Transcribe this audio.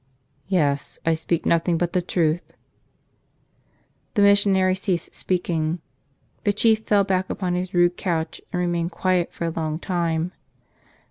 "Yes, I speak nothing but the truth." The missionary ceased speaking. The chief fell back upon his rude couch and remained quiet for a long time.